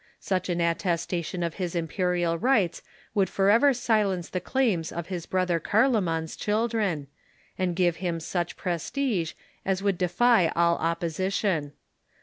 Such an attestation of his imperial rights would forever silence the claims of his brother Carloman's chil dren, and give him such prestige as would defy all opposition.